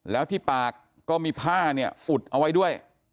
แล้วที่ปากก็มีผ้าเนี่ยอุดเอาไว้ด้วย